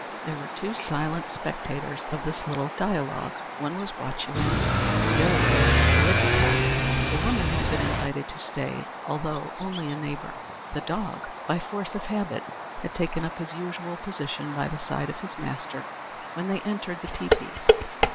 There were two silent spectators of this little dialogue. One was Wahchewin, the other was Ohitika. The woman had been invited to stay, although only a neighbor. The dog, by force of habit, had taken up his usual position by the side of his master when they entered the teepee.